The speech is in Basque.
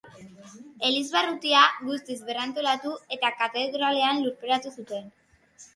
Elizbarrutia guztiz berrantolatu eta katedralean lurperatu zuten.